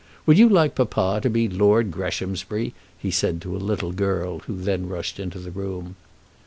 Would you like papa to be Lord Greshamsbury?" he said to a little girl, who then rushed into the room.